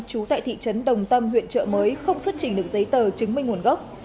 chú tại thị trấn đồng tâm huyện trợ mới không xuất trình được giấy tờ chứng minh nguồn gốc